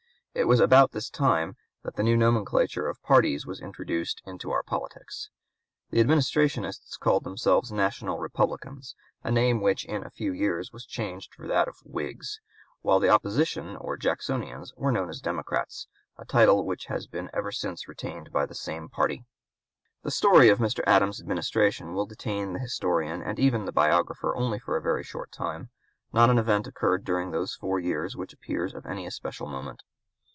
It was about this time that a new nomenclature of parties was introduced into our politics. The administrationists called themselves National Republicans, a name which in a few years was changed for that of Whigs, while the opposition or Jacksonians were known as Democrats, a title which has been ever since retained by the same party. The story of Mr. Adams's Administration will detain the historian, and even the biographer, only a very short time. Not an event occurred during those four years which appears of any especial moment.